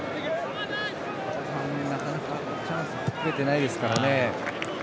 なかなかチャンス、作れてないですからね。